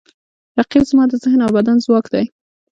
رقیب زما د ذهن او بدن ځواک دی